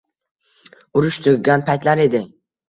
Urush tugagan paytlar edi.